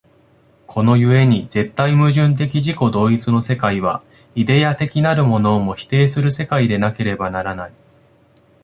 この故に絶対矛盾的自己同一の世界は、イデヤ的なるものをも否定する世界でなければならない。